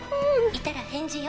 いたら返事よ」